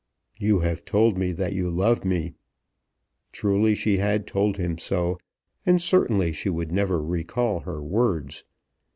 "You have told me that you love me." Truly she had told him so, and certainly she would never recall her words.